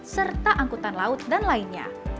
serta angkutan laut dan lainnya